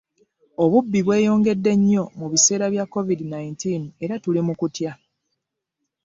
Obubbi bweyongedde nnyo mu biseera bya covid nineteen era tuli mu kutya.